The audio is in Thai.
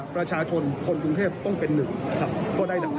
ประชาชนคนกรุงเทพต้องเป็นหนึ่งครับเพราะว่าได้ดังใจ